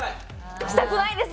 したくないです！